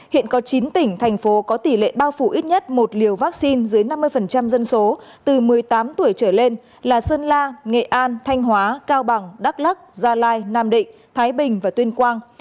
hiện có chín tỉnh thành phố có tỷ lệ bao phủ ít nhất một liều vaccine dưới năm mươi dân số từ một mươi tám tuổi trở lên là sơn la nghệ an thanh hóa cao bằng đắk lắc gia lai nam định thái bình và tuyên quang